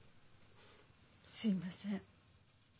すいません。